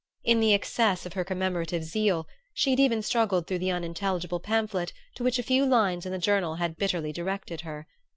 In the excess of her commemorative zeal she had even struggled through the unintelligible pamphlet to which a few lines in the journal had bitterly directed her.